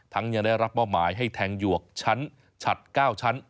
ยังได้รับมอบหมายให้แทงหยวกชั้นฉัด๙ชั้น